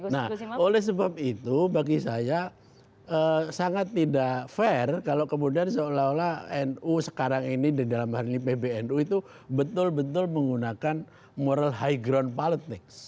nah oleh sebab itu bagi saya sangat tidak fair kalau kemudian seolah olah nu sekarang ini di dalam hal ini pbnu itu betul betul menggunakan moral high ground politics